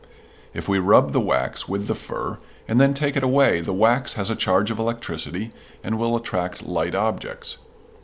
If we rub the wax with the fur and then take it away the wax has a charge of electricity and will attract light objects.